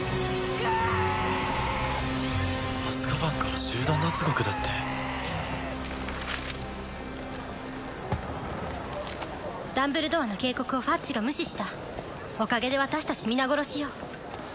アズカバンから集団脱獄だってダンブルドアの警告をファッジが無視したおかげで私達皆殺しよ